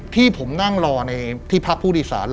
ที่ผมนั่งรอในที่พรรคภูติศาสตร์